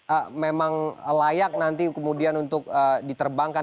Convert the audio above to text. apakah memang layak nanti kemudian untuk diterbangkan